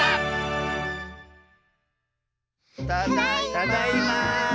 ただいま！